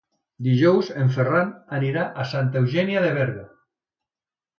Dijous en Ferran anirà a Santa Eugènia de Berga.